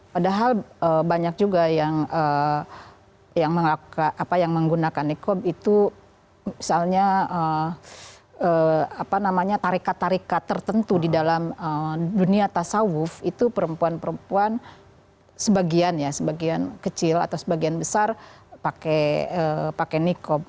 padahal banyak juga yang menggunakan nikab itu misalnya apa namanya tarikat tarikat tertentu di dalam dunia tasawuf itu perempuan perempuan sebagian ya sebagian kecil atau sebagian besar pakai nikab